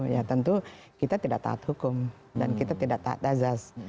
ya tentu kita tidak taat hukum dan kita tidak taat azas